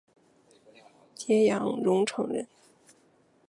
揭阳榕城人。